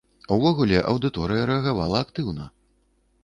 Увогуле, аўдыторыя рэагавала актыўна.